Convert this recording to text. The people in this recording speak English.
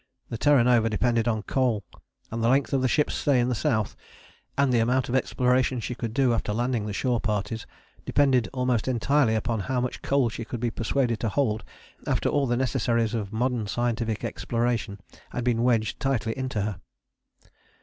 The Terra Nova depended on coal, and the length of the ship's stay in the South, and the amount of exploration she could do after landing the shore parties, depended almost entirely upon how much coal she could be persuaded to hold after all the necessaries of modern scientific exploration had been wedged tightly into her.